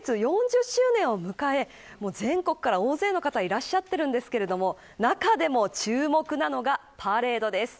先月、４０周年を迎え全国から大勢の方がいらっしゃっていますが中でも注目なのがパレードです。